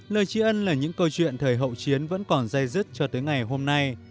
lời tri ân là những câu chuyện thời hậu chiến vẫn còn dây dứt cho tới ngày hôm nay